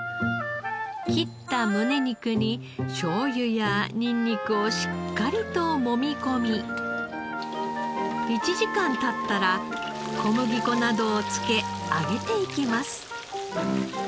切った胸肉にしょうゆやニンニクをしっかりともみ込み１時間経ったら小麦粉などを付け揚げていきます。